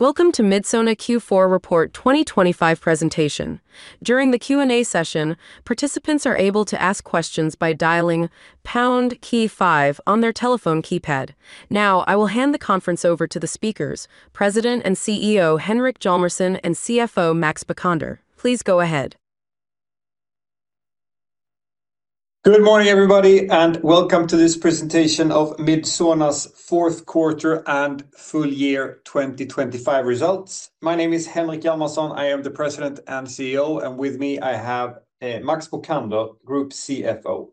Welcome to Midsona Q4 Report 2025 presentation. During the Q&A session, participants are able to ask questions by dialing pound key five on their telephone keypad. Now, I will hand the conference over to the speakers, President and CEO, Henrik Hjalmarsson, and CFO, Max Bokander. Please go ahead. Good morning, everybody, and welcome to this presentation of Midsona's fourth quarter and full year 2025 results. My name is Henrik Hjalmarsson. I am the President and CEO, and with me I have Max Bokander, Group CFO.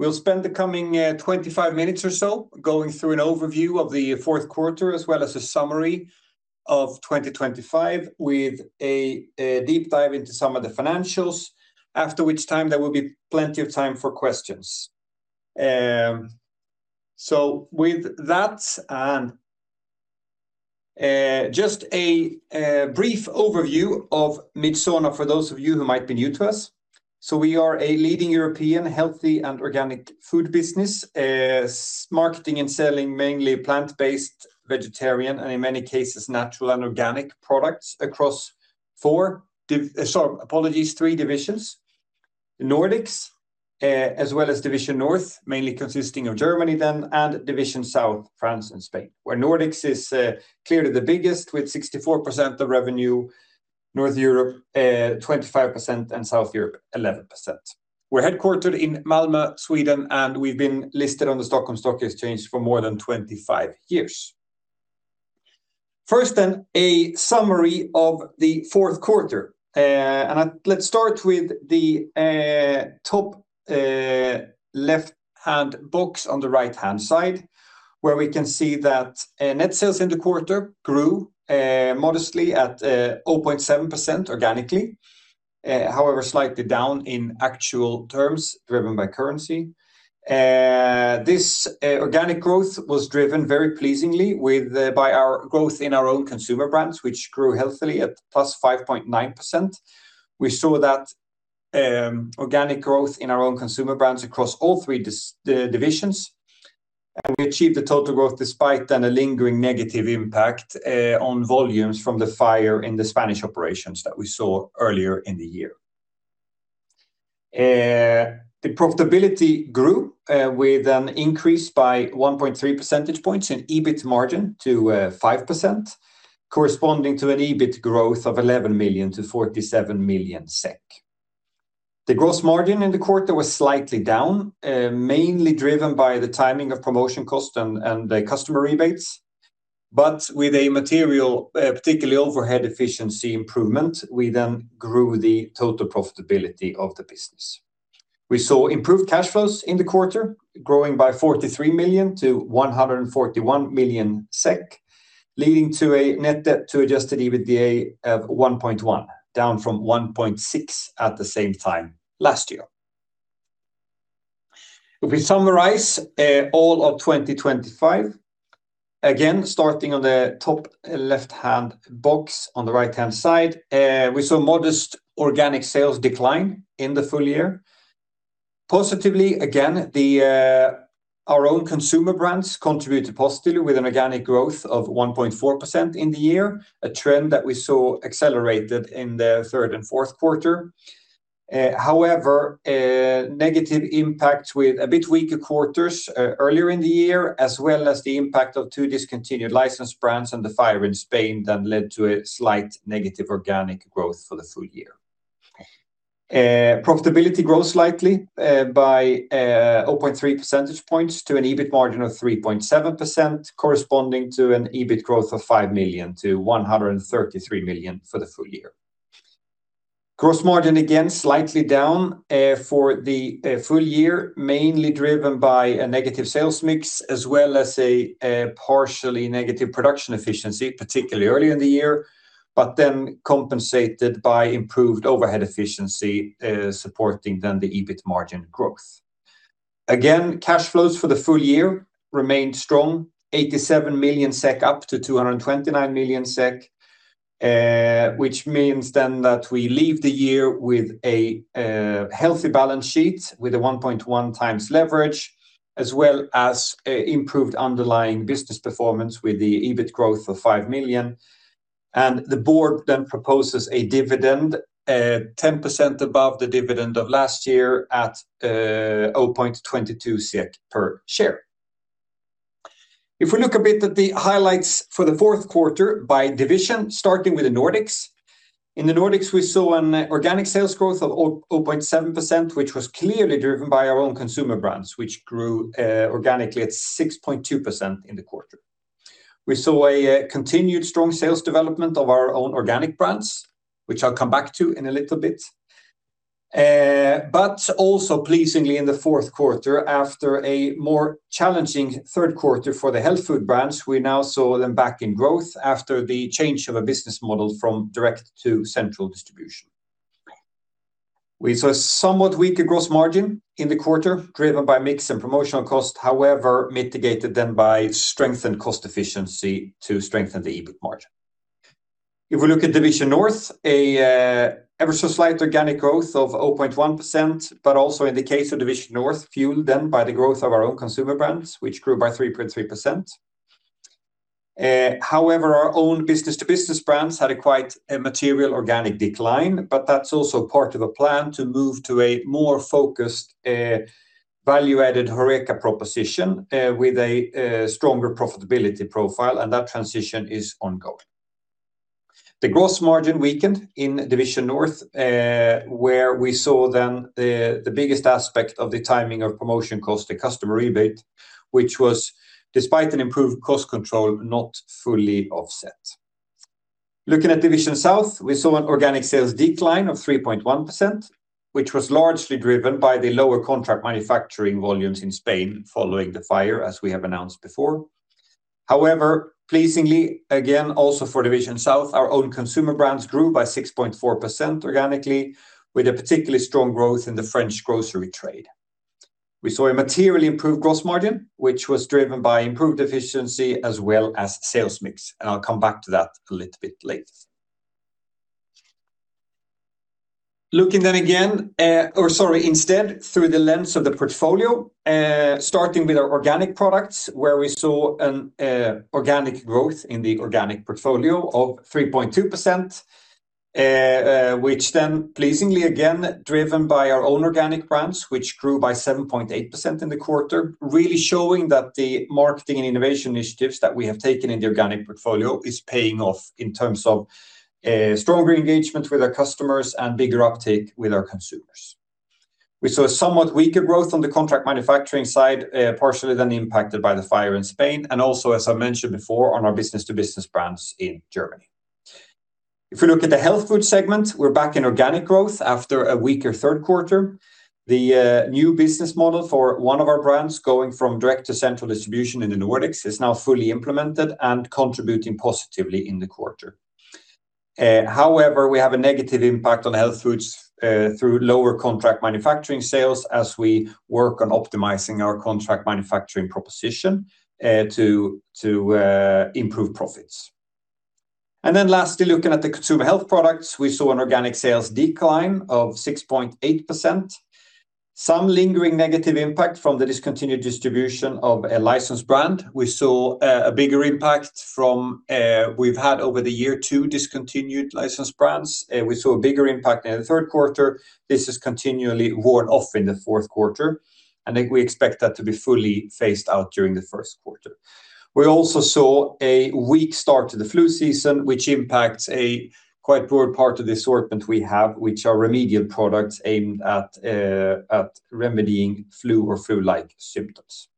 We'll spend the coming 25 minutes or so going through an overview of the fourth quarter, as well as a summary of 2025, with a deep dive into some of the financials. After which time, there will be plenty of time for questions. So with that, just a brief overview of Midsona for those of you who might be new to us. So we are a leading European healthy and organic food business, marketing and selling mainly plant-based, vegetarian, and in many cases, natural and organic products across three divisions: the Nordics, as well as Division North, mainly consisting of Germany, then, and Division South, France, and Spain. Where Nordics is clearly the biggest, with 64% of revenue, North Europe 25%, and South Europe 11%. We're headquartered in Malmö, Sweden, and we've been listed on the Stockholm Stock Exchange for more than 25 years. First, a summary of the fourth quarter. Let's start with the top left-hand box on the right-hand side, where we can see that net sales in the quarter grew modestly at 0.7% organically. However, slightly down in actual terms, driven by currency. This organic growth was driven very pleasingly by our growth in our own consumer brands, which grew healthily at +5.9%. We saw that organic growth in our own consumer brands across all three divisions, and we achieved the total growth despite a lingering negative impact on volumes from the fire in the Spanish operations that we saw earlier in the year. The profitability grew with an increase by 1.3 percentage points in EBIT margin to 5%, corresponding to an EBIT growth of 11 million to 47 million SEK. The gross margin in the quarter was slightly down, mainly driven by the timing of promotion cost and the customer rebates. But with a material particularly overhead efficiency improvement, we then grew the total profitability of the business. We saw improved cash flows in the quarter, growing by 43 million to 141 million SEK, leading to a net debt to adjusted EBITDA of 1.1, down from 1.6 at the same time last year. If we summarize all of 2025, again, starting on the top left-hand box on the right-hand side, we saw modest organic sales decline in the full year. Positively, again, our own consumer brands contributed positively with an organic growth of 1.4% in the year, a trend that we saw accelerated in the third and fourth quarter. However, a negative impact with a bit weaker quarters earlier in the year, as well as the impact of two discontinued licensed brands and the fire in Spain, then led to a slight negative organic growth for the full year. Profitability grew slightly by 0.3 percentage points to an EBIT margin of 3.7%, corresponding to an EBIT growth of 5 million to 133 million for the full year. Gross margin, again, slightly down for the full year, mainly driven by a negative sales mix, as well as a partially negative production efficiency, particularly early in the year, but then compensated by improved overhead efficiency, supporting then the EBIT margin growth. Again, cash flows for the full year remained strong: 87 million SEK up to 229 million SEK, which means then that we leave the year with a healthy balance sheet, with a 1.1 times leverage, as well as improved underlying business performance with the EBIT growth of 5 million. The board then proposes a dividend 10% above the dividend of last year at 0.22 SEK per share. If we look a bit at the highlights for the fourth quarter by division, starting with the Nordics. In the Nordics, we saw an organic sales growth of 0.7%, which was clearly driven by our own consumer brands, which grew organically at 6.2% in the quarter. We saw a continued strong sales development of our own organic brands, which I'll come back to in a little bit. But also pleasingly in the fourth quarter, after a more challenging third quarter for the health food brands, we now saw them back in growth after the change of a business model from direct to central distribution. We saw a somewhat weaker gross margin in the quarter, driven by mix and promotional cost, however, mitigated then by strength and cost efficiency to strengthen the EBIT margin. If we look at Division North, a ever so slight organic growth of 0.1%, but also in the case of Division North, fueled then by the growth of our own consumer brands, which grew by 3.3%. However, our own business-to-business brands had a quite material organic decline, but that's also part of a plan to move to a more focused, value-added HoReCa proposition, with a stronger profitability profile, and that transition is ongoing. The gross margin weakened in Division North, where we saw then the biggest aspect of the timing of promotion cost to customer rebate, which was, despite an improved cost control, not fully offset. Looking at Division South, we saw an organic sales decline of 3.1%, which was largely driven by the lower contract manufacturing volumes in Spain following the fire, as we have announced before. However, pleasingly, again, also for Division South, our own consumer brands grew by 6.4% organically, with a particularly strong growth in the French grocery trade. We saw a materially improved gross margin, which was driven by improved efficiency as well as sales mix, and I'll come back to that a little bit later. Looking then again, or sorry, instead, through the lens of the portfolio, starting with our organic products, where we saw an organic growth in the organic portfolio of 3.2%, which then pleasingly, again, driven by our own organic brands, which grew by 7.8% in the quarter. Really showing that the marketing and innovation initiatives that we have taken in the organic portfolio is paying off in terms of stronger engagement with our customers and bigger uptake with our consumers. We saw a somewhat weaker growth on the contract manufacturing side, partially then impacted by the fire in Spain, and also, as I mentioned before, on our business-to-business brands in Germany. If we look at the health food segment, we're back in organic growth after a weaker third quarter. The new business model for one of our brands, going from direct to central distribution in the Nordics, is now fully implemented and contributing positively in the quarter. However, we have a negative impact on health foods through lower contract manufacturing sales as we work on optimizing our contract manufacturing proposition to improve profits. And then lastly, looking at the consumer health products, we saw an organic sales decline of 6.8%. Some lingering negative impact from the discontinued distribution of a licensed brand. We saw a bigger impact from, we've had over the year 2 discontinued licensed brands. We saw a bigger impact in the third quarter. This has continually worn off in the fourth quarter, and then we expect that to be fully phased out during the first quarter. We also saw a weak start to the flu season, which impacts a quite poor part of the assortment we have, which are remedial products aimed at remedying flu or flu-like symptoms.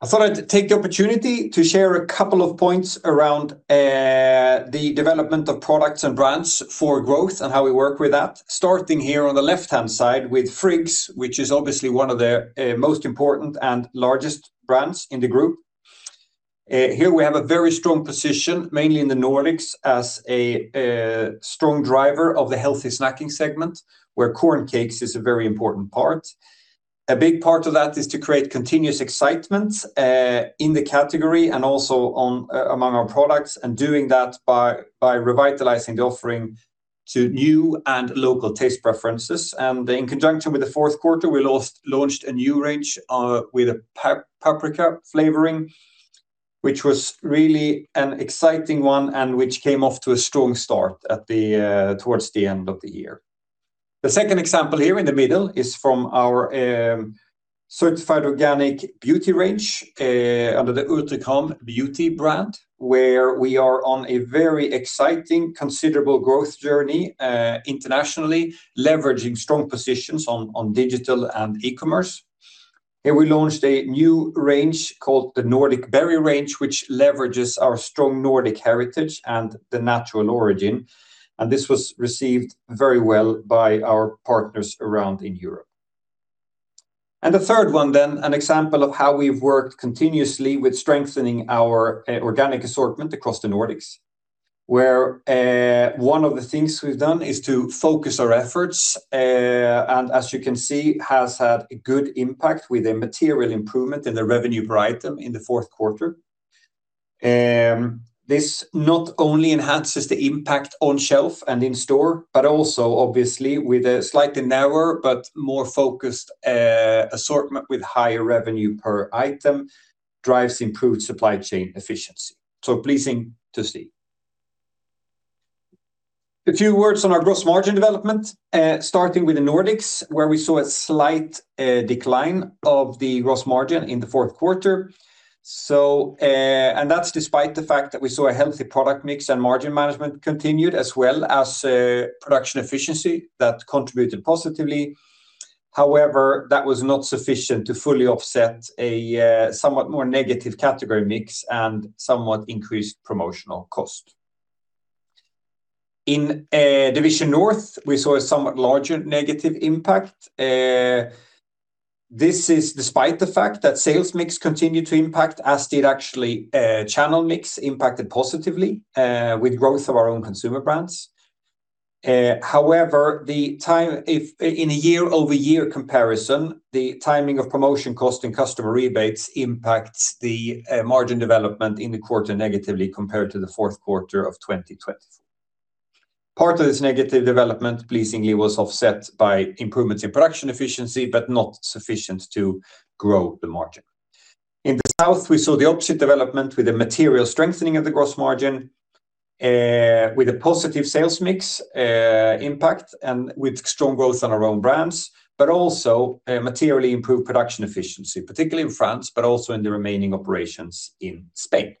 I thought I'd take the opportunity to share a couple of points around the development of products and brands for growth and how we work with that. Starting here on the left-hand side with Friggs, which is obviously one of the most important and largest brands in the group. Here we have a very strong position, mainly in the Nordics, as a strong driver of the healthy snacking segment, where corn cakes is a very important part. A big part of that is to create continuous excitement in the category and also among our products, and doing that by revitalizing the offering to new and local taste preferences. And in conjunction with the fourth quarter, we launched a new range with a paprika flavoring, which was really an exciting one, and which came off to a strong start towards the end of the year. The second example here in the middle is from our certified organic beauty range under the Urtekram beauty brand, where we are on a very exciting, considerable growth journey internationally, leveraging strong positions on digital and e-commerce. Here we launched a new range called the Nordic Berries range, which leverages our strong Nordic heritage and the natural origin, and this was received very well by our partners around in Europe. The third one, then, an example of how we've worked continuously with strengthening our organic assortment across the Nordics, where one of the things we've done is to focus our efforts, and as you can see, has had a good impact with a material improvement in the revenue per item in the fourth quarter. This not only enhances the impact on shelf and in store, but also, obviously, with a slightly narrower but more focused assortment with higher revenue per item, drives improved supply chain efficiency. So pleasing to see. A few words on our gross margin development, starting with the Nordics, where we saw a slight decline of the gross margin in the fourth quarter. So, and that's despite the fact that we saw a healthy product mix and margin management continued, as well as, production efficiency that contributed positively. However, that was not sufficient to fully offset a somewhat more negative category mix and somewhat increased promotional cost. In Division North, we saw a somewhat larger negative impact. This is despite the fact that sales mix continued to impact, as did actually, channel mix impacted positively, with growth of our own consumer brands. However, in a year-over-year comparison, the timing of promotion cost and customer rebates impacts the margin development in the quarter negatively compared to the fourth quarter of 2024. Part of this negative development pleasingly was offset by improvements in production efficiency, but not sufficient to grow the margin. In the South, we saw the opposite development with a material strengthening of the gross margin, with a positive sales mix impact, and with strong growth on our own brands, but also, materially improved production efficiency, particularly in France, but also in the remaining operations in Spain.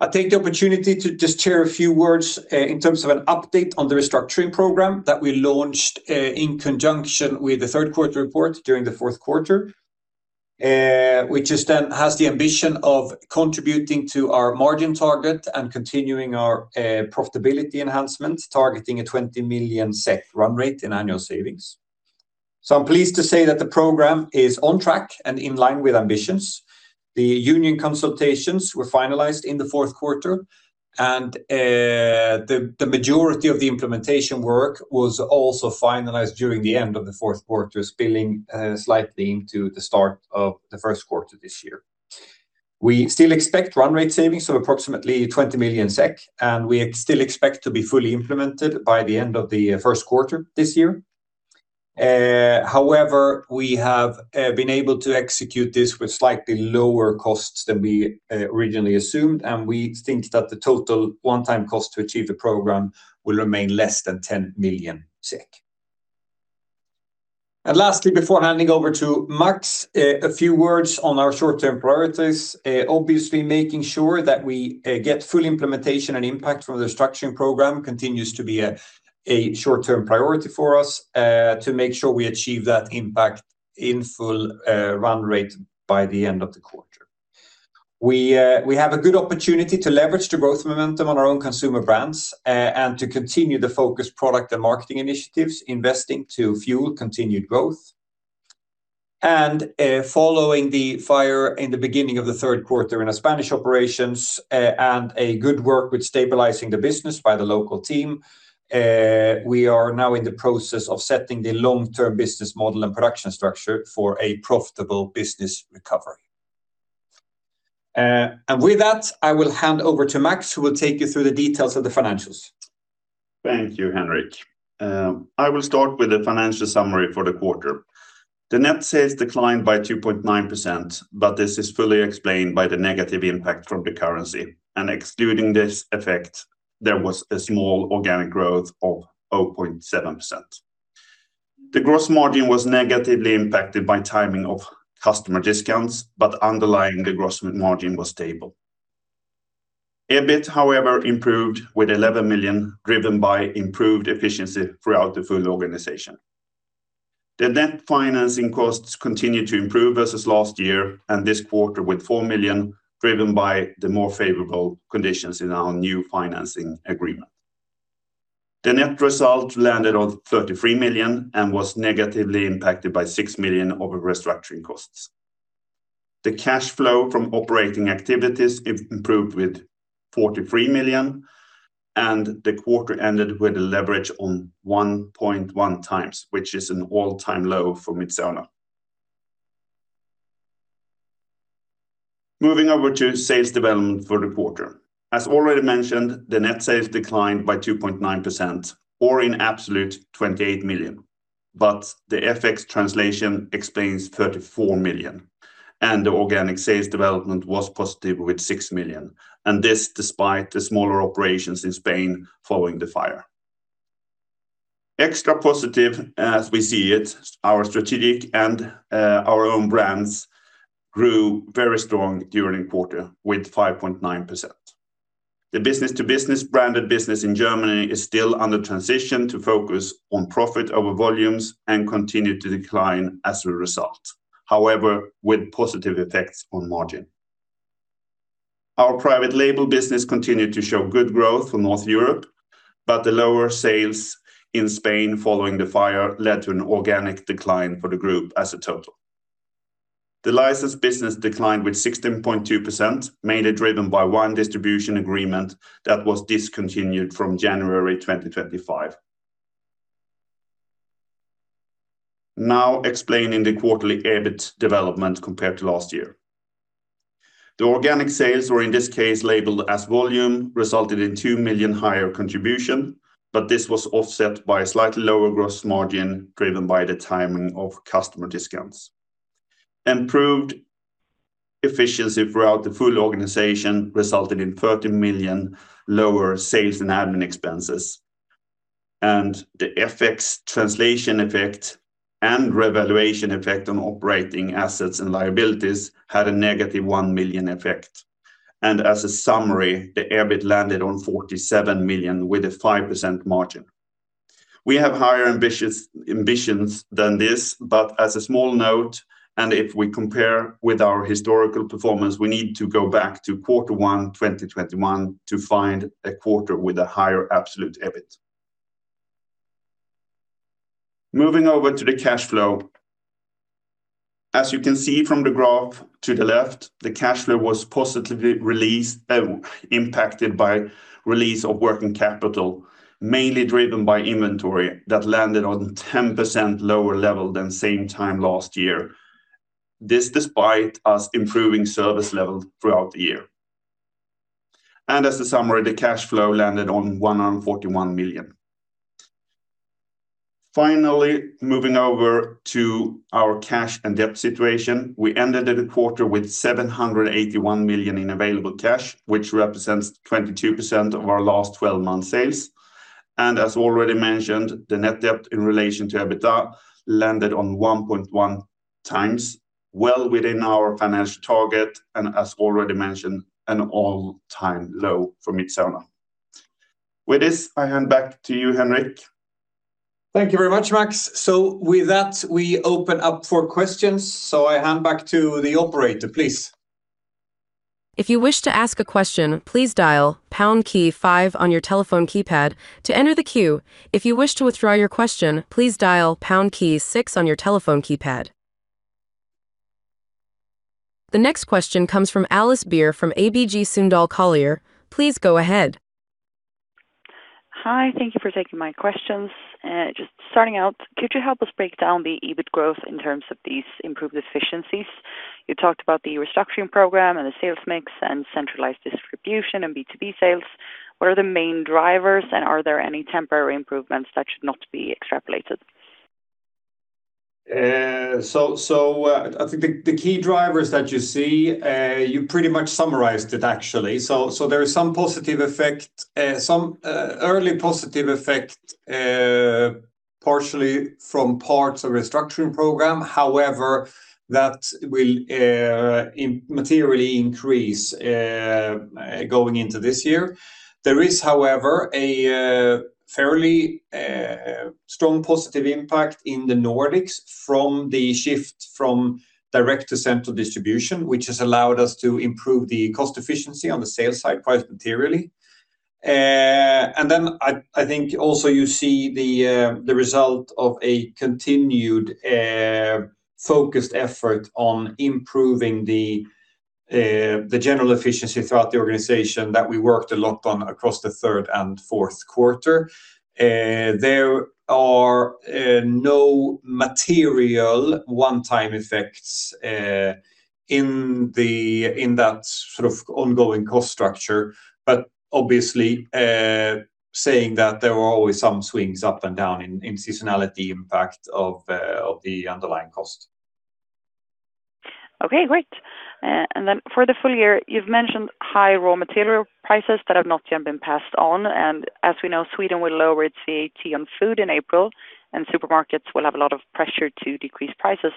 I take the opportunity to just share a few words, in terms of an update on the restructuring program that we launched, in conjunction with the third quarter report during the fourth quarter, which is then has the ambition of contributing to our margin target and continuing our, profitability enhancement, targeting a 20 million run rate in annual savings. So I'm pleased to say that the program is on track and in line with ambitions. The union consultations were finalized in the fourth quarter, and, the majority of the implementation work was also finalized during the end of the fourth quarter, spilling, slightly into the start of the first quarter this year. We still expect run rate savings of approximately 20 million SEK, and we still expect to be fully implemented by the end of the first quarter this year. However, we have been able to execute this with slightly lower costs than we originally assumed, and we think that the total one-time cost to achieve the program will remain less than 10 million. Lastly, before handing over to Max, a few words on our short-term priorities. Obviously, making sure that we get full implementation and impact from the structuring program continues to be a short-term priority for us, to make sure we achieve that impact in full run rate by the end of the quarter. We have a good opportunity to leverage the growth momentum on our own consumer brands, and to continue the focus product and marketing initiatives, investing to fuel continued growth. Following the fire in the beginning of the third quarter in our Spanish operations, and a good work with stabilizing the business by the local team, we are now in the process of setting the long-term business model and production structure for a profitable business recovery. With that, I will hand over to Max, who will take you through the details of the financials. Thank you, Henrik. I will start with the financial summary for the quarter. The net sales declined by 2.9%, but this is fully explained by the negative impact from the currency, and excluding this effect, there was a small organic growth of 0.7%. The gross margin was negatively impacted by timing of customer discounts, but underlying the gross margin was stable. EBIT, however, improved with 11 million, driven by improved efficiency throughout the full organization. The net financing costs continued to improve versus last year, and this quarter with 4 million, driven by the more favorable conditions in our new financing agreement. The net result landed on 33 million and was negatively impacted by 6 million over restructuring costs. The cash flow from operating activities improved with 43 million, and the quarter ended with a leverage on 1.1x, which is an all-time low for Midsona. Moving over to sales development for the quarter. As already mentioned, the net sales declined by 2.9% or in absolute, 28 million. But the FX translation explains 34 million, and the organic sales development was positive with 6 million, and this despite the smaller operations in Spain following the fire. Extra positive, as we see it, our strategic and our own brands grew very strong during quarter with 5.9%. The business-to-business branded business in Germany is still under transition to focus on profit over volumes and continue to decline as a result. However, with positive effects on margin. Our private label business continued to show good growth for North Europe, but the lower sales in Spain following the fire led to an organic decline for the group as a total. The license business declined with 16.2%, mainly driven by one distribution agreement that was discontinued from January 2025. Now, explaining the quarterly EBIT development compared to last year. The organic sales, or in this case labeled as volume, resulted in 2 million higher contribution, but this was offset by a slightly lower gross margin, driven by the timing of customer discounts. Improved efficiency throughout the full organization resulted in 13 million lower sales and admin expenses, and the FX translation effect and revaluation effect on operating assets and liabilities had a negative 1 million effect. And as a summary, the EBIT landed on 47 million with a 5% margin. We have higher ambitions than this, but as a small note, and if we compare with our historical performance, we need to go back to quarter one, 2021, to find a quarter with a higher absolute EBIT. Moving over to the cash flow. As you can see from the graph to the left, the cash flow was positively released, impacted by release of working capital, mainly driven by inventory that landed on 10% lower level than same time last year. This despite us improving service level throughout the year. And as a summary, the cash flow landed on 141 million. Finally, moving over to our cash and debt situation, we ended the quarter with 781 million in available cash, which represents 22% of our last twelve months sales. As already mentioned, the net debt in relation to EBITDA landed on 1.1 times, well within our financial target, and as already mentioned, an all-time low for Midsona. With this, I hand back to you, Henrik. Thank you very much, Max. With that, we open up for questions. I hand back to the operator, please. If you wish to ask a question, please dial pound key five on your telephone keypad to enter the queue. If you wish to withdraw your question, please dial pound key six on your telephone keypad. The next question comes from Alice Beer from ABG Sundal Collier. Please go ahead. Hi, thank you for taking my questions. Just starting out, could you help us break down the EBIT growth in terms of these improved efficiencies? You talked about the restructuring program and the sales mix and centralized distribution and B2B sales. What are the main drivers, and are there any temporary improvements that should not be extrapolated? I think the key drivers that you see, you pretty much summarized it actually. There is some positive effect, some early positive effect, partially from parts of restructuring program. However, that will immaterially increase going into this year. There is, however, a fairly strong positive impact in the Nordics from the shift from direct to central distribution, which has allowed us to improve the cost efficiency on the sales side, quite materially. And then I think also you see the result of a continued focused effort on improving the general efficiency throughout the organization that we worked a lot on across the third and fourth quarter. There are no material one-time effects in that sort of ongoing cost structure, but obviously, saying that there were always some swings up and down in seasonality impact of the underlying cost. Okay, great. And then for the full year, you've mentioned high raw material prices that have not yet been passed on, and as we know, Sweden will lower its VAT on food in April, and supermarkets will have a lot of pressure to decrease prices.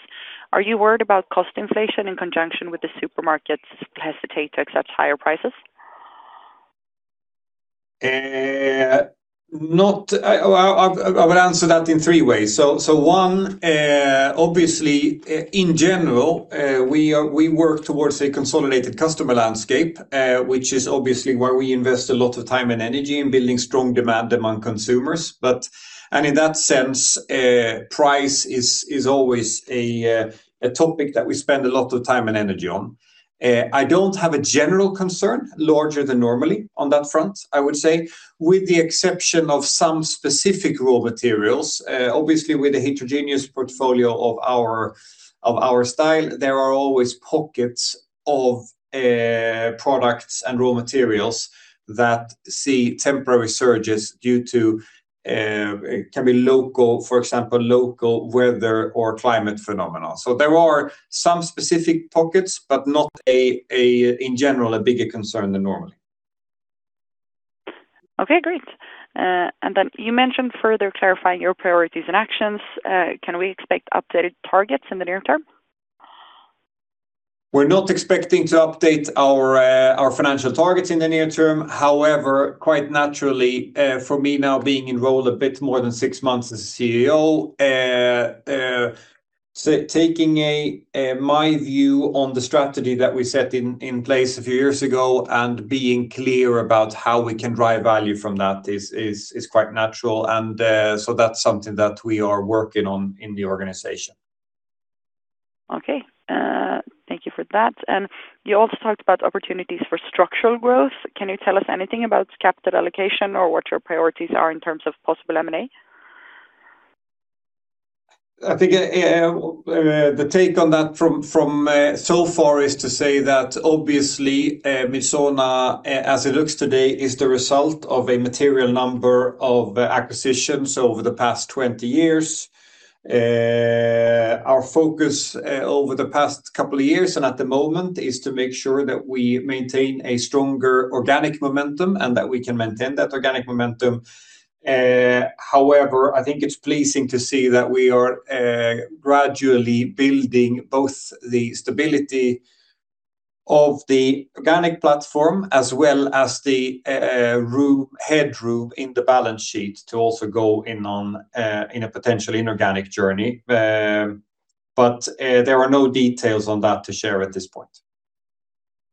Are you worried about cost inflation in conjunction with the supermarkets hesitate to accept higher prices? I will answer that in three ways. So, one, obviously, in general, we work towards a consolidated customer landscape, which is obviously where we invest a lot of time and energy in building strong demand among consumers. But, and in that sense, price is always a topic that we spend a lot of time and energy on. I don't have a general concern larger than normally on that front, I would say, with the exception of some specific raw materials. Obviously, with a heterogeneous portfolio of our style, there are always pockets of products and raw materials that see temporary surges due to, can be local, for example, local weather or climate phenomena. So there are some specific pockets, but not, in general, a bigger concern than normally. Okay, great. And then you mentioned further clarifying your priorities and actions. Can we expect updated targets in the near term? We're not expecting to update our, our financial targets in the near term. However, quite naturally, for me now being in role a bit more than six months as a CEO, so taking a, my view on the strategy that we set in place a few years ago and being clear about how we can drive value from that is quite natural. And, so that's something that we are working on in the organization. Okay. Thank you for that. You also talked about opportunities for structural growth. Can you tell us anything about capital allocation or what your priorities are in terms of possible M&A? I think, the take on that from, from, so far is to say that obviously, Midsona, as it looks today, is the result of a material number of acquisitions over the past 20 years. Our focus, over the past couple of years and at the moment, is to make sure that we maintain a stronger organic momentum and that we can maintain that organic momentum. However, I think it's pleasing to see that we are, gradually building both the stability of the organic platform as well as the, room, headroom in the balance sheet to also go in on, in a potentially inorganic journey. But, there are no details on that to share at this point.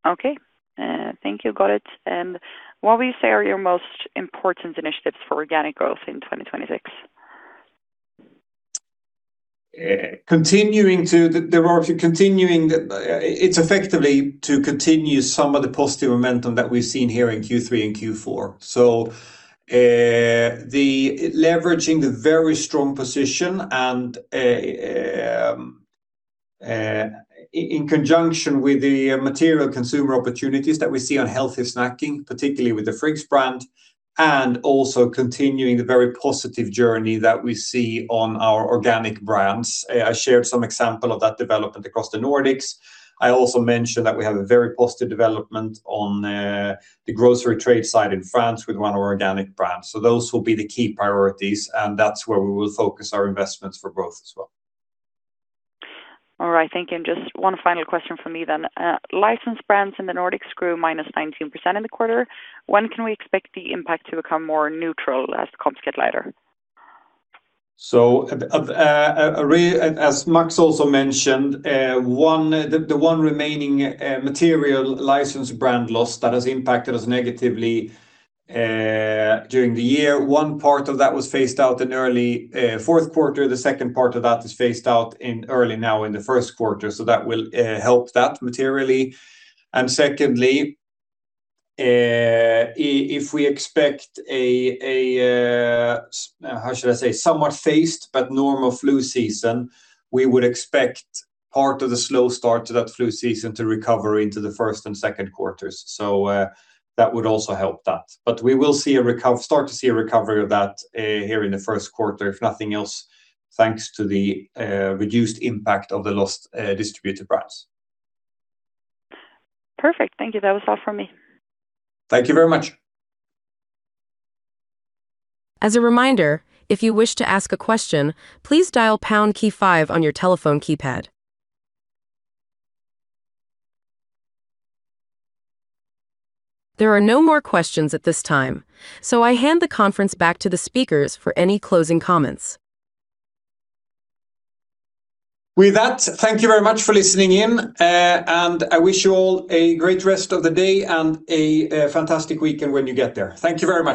Okay, thank you. Got it. And what would you say are your most important initiatives for organic growth in 2026? Continuing to the, there are a few continuing, it's effectively to continue some of the positive momentum that we've seen here in Q3 and Q4. So, the leveraging the very strong position and, in conjunction with the material consumer opportunities that we see on healthy snacking, particularly with the Friggs brand, and also continuing the very positive journey that we see on our organic brands. I shared some example of that development across the Nordics. I also mentioned that we have a very positive development on, the grocery trade side in France with one of our organic brands. So those will be the key priorities, and that's where we will focus our investments for growth as well. All right. Thank you. Just one final question from me then. Licensed brands in the Nordics grew -19% in the quarter. When can we expect the impact to become more neutral as comps get lighter? As Max also mentioned, the one remaining material license brand loss that has impacted us negatively during the year, one part of that was phased out in early fourth quarter. The second part of that is phased out in early now in the first quarter, so that will help that materially. And secondly, if we expect a, how should I say? Somewhat phased, but normal flu season, we would expect part of the slow start to that flu season to recover into the first and second quarters. So, that would also help that. But we will see a start to see a recovery of that here in the first quarter, if nothing else, thanks to the reduced impact of the lost distributor brands. Perfect. Thank you. That was all from me. Thank you very much. As a reminder, if you wish to ask a question, please dial pound key five on your telephone keypad. There are no more questions at this time, so I hand the conference back to the speakers for any closing comments. With that, thank you very much for listening in, and I wish you all a great rest of the day and a fantastic weekend when you get there. Thank you very much!